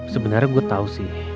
sebenarnya gue tau sih